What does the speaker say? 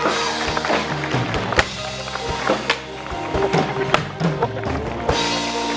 เป็นผู้มอบผู้มอบรางวัลนะคะ